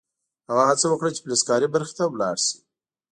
هغه هڅه وکړه چې فلزکاري برخې ته لاړ شي